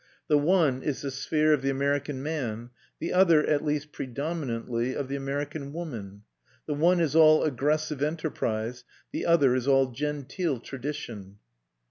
The one is the sphere of the American man; the other, at least predominantly, of the American woman. The one is all aggressive enterprise; the other is all genteel tradition.